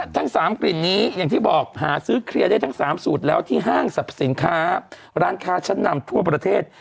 ทั้ง๓กลิ่นนี้อย่างที่บอกหาซื้อเคลียร์ได้ทั้ง๓สูตรแล้วที่ห้างสรรพสินค้าร้านค้าชั้นนำทั่วประเทศ